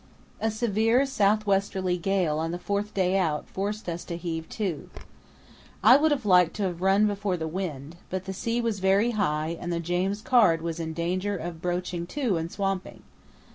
A severe south westerly gale on the fourth day out forced us to heave to. I would have liked to have run before the wind, but the sea was very high and the James Caird was in danger of broaching to and swamping.